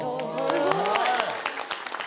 すごい！